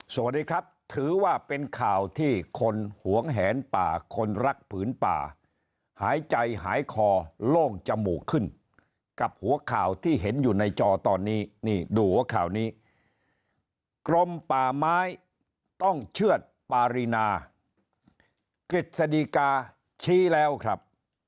สวัสดีครับถือว่าเป็นข่าวที่คนหวงแหนป่าคนรักผืนป่าหายใจหายคอโล่งจมูกขึ้นกับหัวข่าวที่เห็นอยู่ในจอตอนนี้นี่ดูหัวข่าวนี้กรมป่าไม้ต้องเชื่อดปารีนากฤษฎีกาชี้แล้วครับ